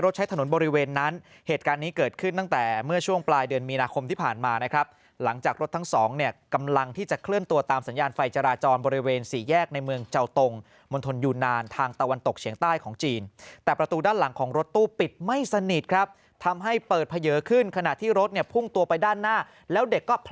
ใช้ถนนบริเวณนั้นเหตุการณ์นี้เกิดขึ้นตั้งแต่เมื่อช่วงปลายเดือนมีนาคมที่ผ่านมานะครับหลังจากรถทั้งสองเนี่ยกำลังที่จะเคลื่อนตัวตามสัญญาณไฟจราจรบริเวณสี่แยกในเมืองเจ้าตรงมณฑลยูนานทางตะวันตกเฉียงใต้ของจีนแต่ประตูด้านหลังของรถตู้ปิดไม่สนิทครับทำให้เปิดเผยขึ้นขณะที่รถเนี่ยพุ่งตัวไปด้านหน้าแล้วเด็กก็พ